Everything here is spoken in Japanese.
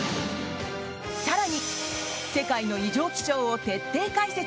更に、世界の異常気象を徹底解説。